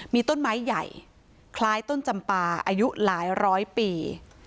มีต้นไม้ใหญ่คล้ายต้นจำปาอายุหลายร้อยปี